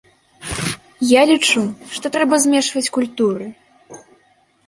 Я лічу, што трэба змешваць культуры.